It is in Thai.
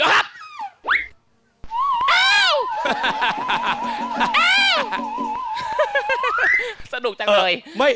เฮ่น้องช้างแต่ละเชือกเนี่ย